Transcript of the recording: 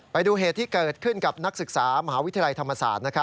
ไปดูเหตุที่เกิดขึ้นกับนักศึกษามหาวิทยาลัยธรรมศาสตร์